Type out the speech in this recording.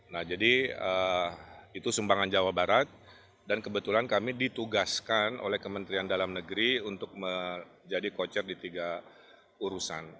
nah jadi itu sumbangan jawa barat dan kebetulan kami ditugaskan oleh kementerian dalam negeri untuk menjadi coacher di tiga urusan